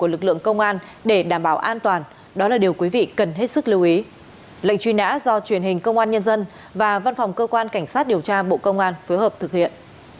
lệnh truy nã do truyền hình công an nhân dân và văn phòng cơ quan cảnh sát điều tra bộ công an phối hợp thực hiện